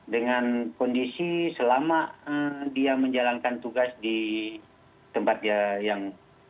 dengan kondisi selama dia menjalankan tugas di tempat dia yang